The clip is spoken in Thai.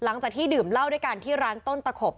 หลังจากที่ดื่มเหล้าด้วยกันที่ร้านต้นตะขบ